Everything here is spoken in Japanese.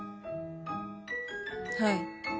はい。